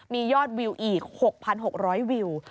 มียอดวิวอีก๖๖๐๐วิว